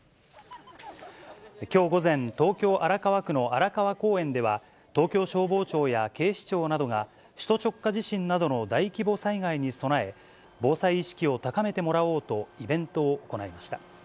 きょう午前、東京・荒川区の荒川公園では、東京消防庁や警視庁などが、首都直下地震などの大規模災害に備え、防災意識を高めてもらおうと、イベントを行いました。